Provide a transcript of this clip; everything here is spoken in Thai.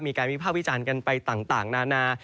มีการมีภาพวิจารณ์กันไปต่างนานา